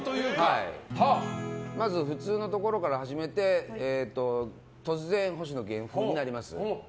まず普通のところから始めて突然、星野源風になります。